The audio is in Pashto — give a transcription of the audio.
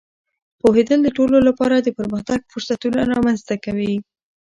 پوهېدل د ټولو لپاره د پرمختګ فرصتونه رامینځته کوي.